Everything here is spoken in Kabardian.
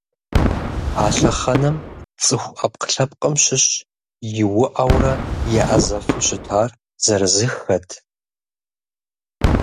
А лъэхъэнэм цӏыху ӏэпкълъэпкъым щыщ иуӏэурэ еӏэзэфу щытар зырызыххэт.